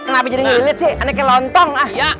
kenapa jadi melilit sih ini seperti lontong